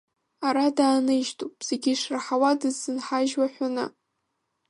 Ара дааныжьтәуп зегьы ишраҳауа дыззынҳажьуа ҳәаны…